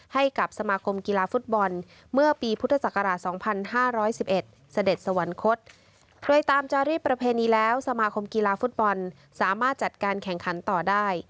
ให้กับสมาคมกีฬาฟุตบอลเมื่อปีพุทธศักราช๒๕๑๑เสด็จสวรรคตโดยตามจารีประเพณีแล้วสมาคมกีฬาฟุตบอลสามารถจัดการแข่งขันต่อได้